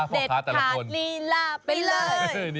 เด็ดขาดลีลาไปเลย